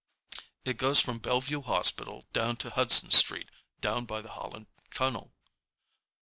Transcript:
"It goes from Bellevue Hospital down to Hudson Street, down by the Holland Tunnel."